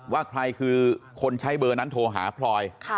ว่าใครคือคนใช้เบอร์นั้นโทรหาพลอย